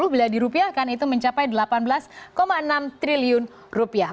bila di rupiah kan itu mencapai delapan belas enam triliun rupiah